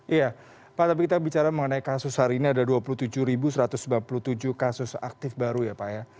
iya pak tapi kita bicara mengenai kasus hari ini ada dua puluh tujuh satu ratus empat puluh tujuh kasus aktif baru ya pak ya